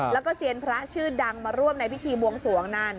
แล้วก็เซียนพระชื่อดังมาร่วมในพิธีบวงสวงนั่น